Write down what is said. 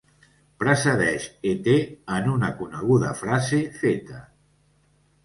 Precedeix Et en una coneguda frase feta.